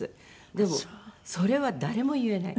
でもそれは誰も言えない。